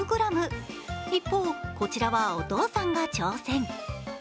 一方、こちらはお父さんが挑戦。